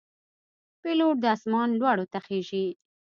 پیلوټ د آسمان لوړو ته خېژي.